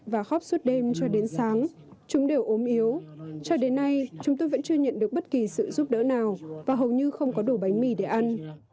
và khóc suốt đêm cho đến sáng chúng đều ốm yếu cho đến nay chúng tôi vẫn chưa nhận được bất kỳ sự giúp đỡ nào và hầu như không có đủ bánh mì để ăn